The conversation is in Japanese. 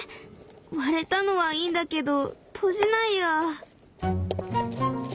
割れたのはいいんだけど閉じないや。